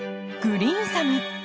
グリーンサム。